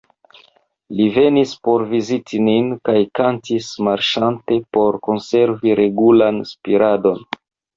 Li venis por viziti nin, kaj kantis marŝante por konservi regulan spiradon.